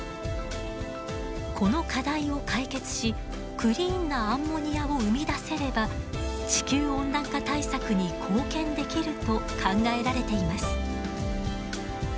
この課題を解決しクリーンなアンモニアを生み出せれば地球温暖化対策に貢献できると考えられています。